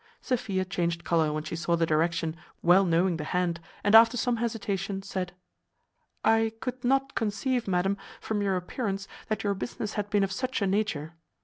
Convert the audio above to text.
Sophia changed colour when she saw the direction, well knowing the hand, and after some hesitation, said "I could not conceive, madam, from your appearance, that your business had been of such a nature.